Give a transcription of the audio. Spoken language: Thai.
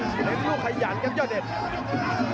เป็นลูกไข่หยันครับยอเดช